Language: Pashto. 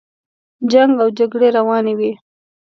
جنګ او جګړې روانې وې.